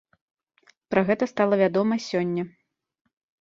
Пра гэта стала вядома сёння.